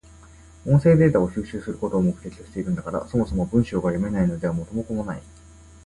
音声データを収集することを目的としているんだから、そもそも文章が読めないのでは元も子もない。